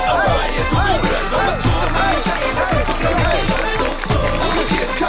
เอ้าประจำที่เหอะ